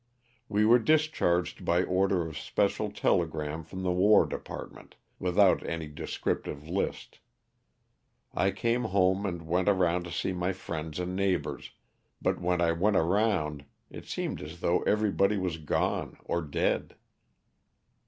We were discharged by order of special telegram from the War Depart ment, without any descriptive list. I came home and went around to see my friends and neighbors, but when I went around it seemed as though everybody was gone or dead.